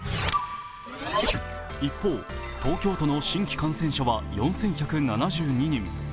一方、東京都の新規感染者は４１７２人。